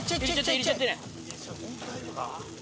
入れちゃって廉。